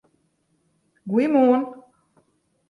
Goeiemoarn!